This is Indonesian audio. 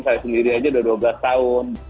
saya sendiri aja udah dua belas tahun